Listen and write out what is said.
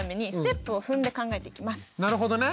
なるほどね。